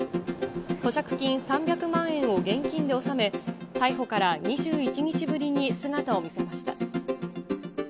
保釈金３００万円を現金で納め、逮捕から２１日ぶりに姿を見せました。